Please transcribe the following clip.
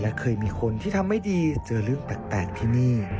และเคยมีคนที่ทำไม่ดีเจอเรื่องแปลกที่นี่